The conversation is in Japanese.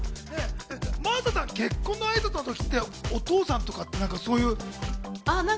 真麻さん、結婚の挨拶のとき、お父さんとかって覚えてますか？